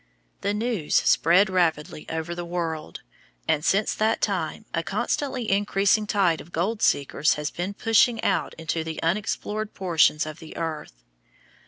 The news spread rapidly over the world, and since that time a constantly increasing tide of gold seekers has been pushing out into the unexplored portions of the earth.